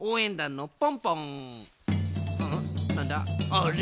あれ？